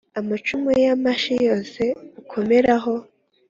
amacumu y'amashi yose ukomeraho.